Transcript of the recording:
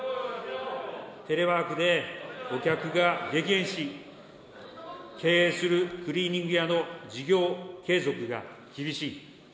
テレワークでお客が激減し、経営するクリーニング屋の事業継続が厳しい。